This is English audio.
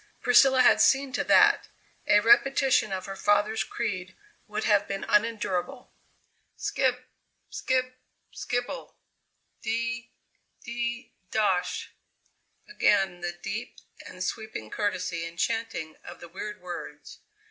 Priscilla had seen to that. A repetition of her father's creed would have been unendurable. "Skib, skib, skibble de de dosh!" Again the deep and sweeping courtesy and chanting of the weird words.